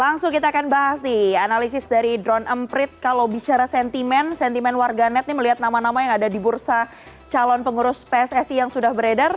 langsung kita akan bahas nih analisis dari drone emprit kalau bicara sentimen sentimen warga net melihat nama nama yang ada di bursa calon pengurus pssi yang sudah beredar